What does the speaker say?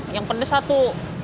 yang pedes satu